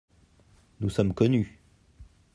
Nous sommes connus.